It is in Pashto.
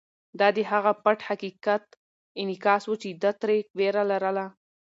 دا د هغه پټ حقیقت انعکاس و چې ده ترې وېره لرله.